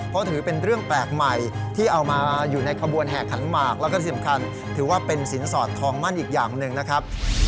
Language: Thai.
เพราะถือเป็นเรื่องแปลกใหม่ที่เอามาอยู่ในขบวนแห่ขันหมากแล้วก็ที่สำคัญถือว่าเป็นสินสอดทองมั่นอีกอย่างหนึ่งนะครับ